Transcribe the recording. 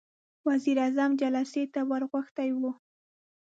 وزير اعظم جلسې ته ور غوښتی و.